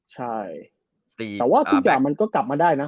ใช่แต่ว่าทุกอย่างมันก็กลับมาได้นะ